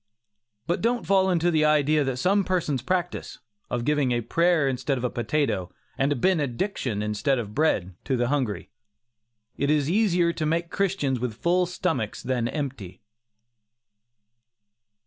But don't fall into the idea that some persons practise, of giving a prayer instead of a potato, and a benediction instead of bread, to the hungry. It is easier to make Christians with full stomachs than empty.